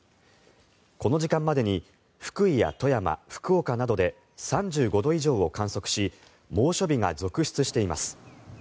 この時間までに福井や富山福岡などで３５度以上を観測し猛暑日が続出しています。